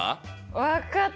分かったよ。